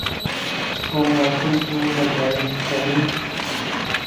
تو معاشی کیوں ناجائز ٹھہری؟